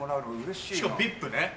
しかもＶＩＰね。